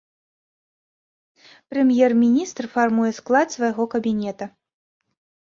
Прэм'ер-міністр фармуе склад свайго кабінета.